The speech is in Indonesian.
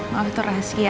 ngapain itu rahasia